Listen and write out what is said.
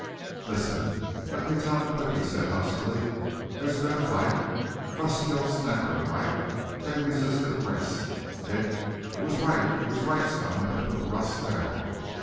"Listen, let me tell it quick," he said huskily. "There's been a fight. Russ killed Snecker and Wright. They resisted arrest. It it was Wright it was Wright's gun that put Russ down.